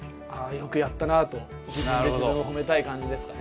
よくやったなと自分で自分をほめたい感じですかね。